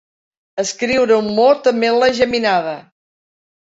Escriure un mot amb ela geminada.